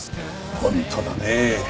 本当だねえ。